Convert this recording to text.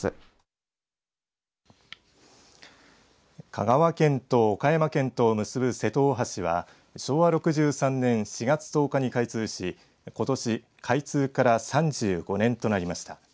香川県と岡山県とを結ぶ瀬戸大橋は昭和６３年４月１０日に開通しことし開通から３５年となりました。